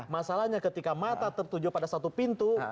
masalahnya ketika mata tertuju pada satu pintu